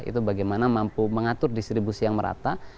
itu bagaimana mampu mengatur distribusi yang merata